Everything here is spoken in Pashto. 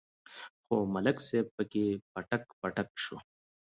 خو ملک صاحب پکې پټک پټک شو.